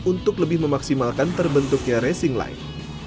untuk lebih memaksimalkan terbentuknya racing line